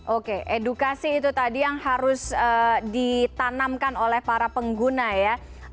oke edukasi itu tadi yang harus ditanamkan oleh para pengguna ya